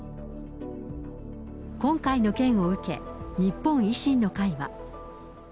今回の件を受け、日本維新の会は。